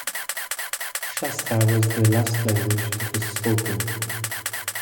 Shasta was the last language that was spoken.